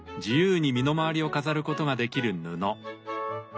自由に身の回りを飾ることができる布。